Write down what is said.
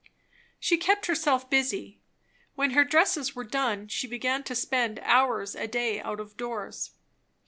She kept herself busy. When her dresses were done, she began to spend hours a day out of doors.